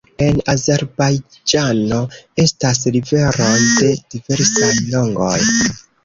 En Azerbajĝano estas riveroj de diversaj longoj.